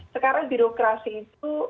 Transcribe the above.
sekarang birokrasi itu